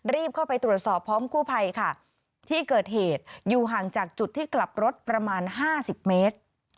รีบเข้าไปตรวจสอบพร้อมกู้ภัยค่ะที่เกิดเหตุอยู่ห่างจากจุดที่กลับรถประมาณ๕๐เมตร